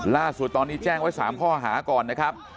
ล่าสุดตอนนี้แจ้งไว้๓ข้อหาก่อนนะครับ